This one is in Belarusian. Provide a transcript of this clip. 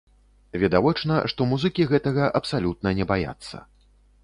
Відавочна, што музыкі гэтага абсалютна не баяцца.